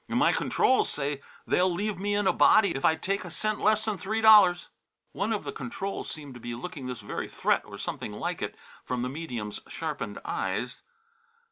"An' my controls say they'll leave me in a body if I take a cent less 'n three dollars." One of the controls seemed to be looking this very threat or something like it from the medium's sharpened eyes.